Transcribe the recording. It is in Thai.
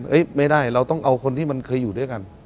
ไม่ได้เราต้องเอาคนที่มันเคยอยู่ด้วยกัน